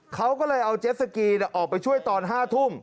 เขาก็เลยเอาเจ็ดสกีออกไปช่วยตอน๕ทุ่ม